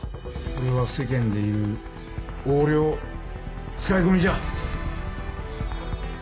これは世間で言う横領使い込みじゃ！